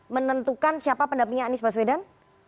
menentukan siapa pendampingnya anies baswedan